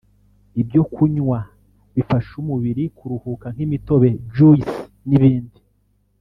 ibyo kunywa bifasha umubiri kuruhuka nk’imitobe (Juice) n’ibindi